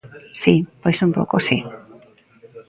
Si, pois un pouco si.